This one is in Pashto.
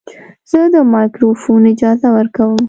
زه د مایکروفون اجازه ورکوم.